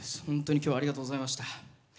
本当にきょうはありがとうございました。